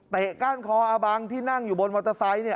ก้านคออาบังที่นั่งอยู่บนมอเตอร์ไซค์เนี่ย